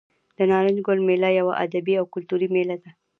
د نارنج ګل میله یوه ادبي او کلتوري میله ده.